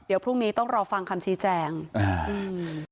เดี๋ยวพรุ่งนี้ต้องรอฟังคำชี้แจงอ่าอืม